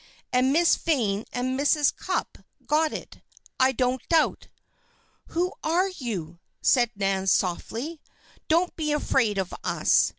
And Miss Vane and Mrs. Cupp's got it, I don't doubt!" "Who are you?" asked Nan, softly. "Don't be afraid of us.